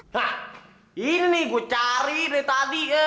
hah ini nih gue cari dari tadi ya